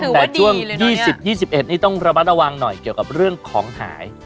แต่ช่วง๒๐๒๑นี่ต้องระมัดระวังหน่อยเกี่ยวกับเรื่องของหาย